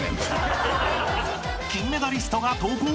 ［金メダリストが登校］